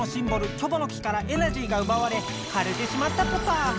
「キョボの木」からエナジーがうばわれかれてしまったポタ。